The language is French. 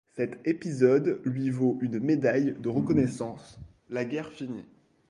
Cet épisode lui vaut une médaille de reconnaissance, la guerre finie.